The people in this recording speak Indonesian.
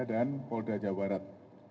dan polda jawa barat